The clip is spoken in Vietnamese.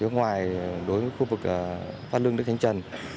ngoài đối với khu vực phát lương tây thanh trần